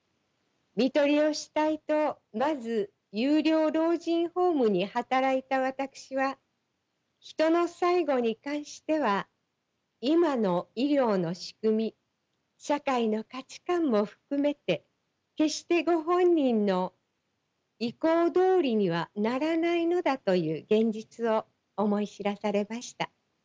看取りをしたいとまず有料老人ホームに働いた私は人の最期に関しては今の医療の仕組み社会の価値観も含めて決してご本人の意向どおりにはならないのだという現実を思い知らされました。